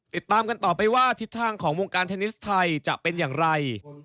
ติดตามกันต่อไปว่าทิศทางของวงการเทนนิสไทยจะเป็นอย่างไร